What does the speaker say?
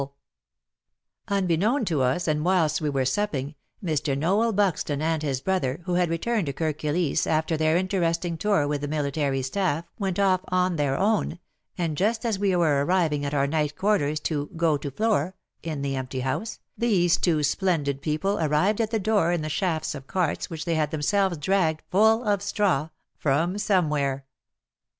WAR AND WOMEN 113 Unbeknown to us, and whilst we were supping, Mr. Noel Buxton and his brother, who had returned to Kirk Kilisse after their interesting tour with the military staff, went off "on their own," and just as we were arriv ing at our night quarters to go to floor" in the empty house, these two splendid people arrived at the door in the shafts of carts which they had themselves dragged full of straw — from somewhere